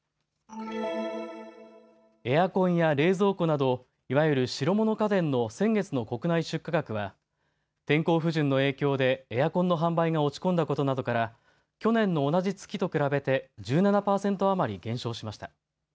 エアコンや冷蔵庫などいわゆる白物家電の先月の国内出荷額は天候不順の影響でエアコンの販売が落ち込んだことなどから去年の同じ月と比べて１７％余り減少しました。